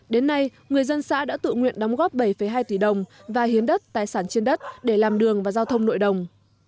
đến nay người dân xã đã tự nguyện đóng góp bảy hai tỷ đồng và hiến đất tài sản trên đất để làm đường và giao thông nội đồng